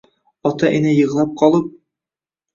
Ota-ena yig‘lab qolib